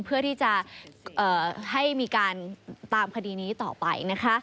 เพื่อที่จะให้มีการตามคดีนี้ต่อไปนะคะ